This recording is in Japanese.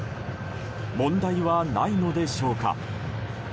問題はないのでしょうか。